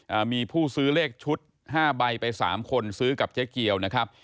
อ่ามีผู้ซื้อเลขชุดห้าใบไปสามคนซื้อกับเจ๊เกียวนะครับ